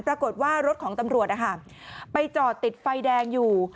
ปรากฏว่ารถของตำรวจไปจอดติดไฟแดงอยู่